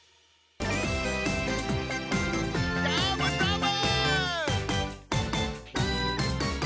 どーもどーも！